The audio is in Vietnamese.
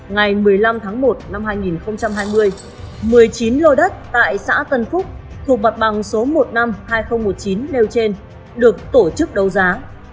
ngày một mươi năm tháng một năm hai nghìn hai mươi một mươi chín lô đất tại xã tân phúc thuộc mặt bằng số một trăm năm mươi hai nghìn một mươi chín nêu trên được tổ chức đấu giá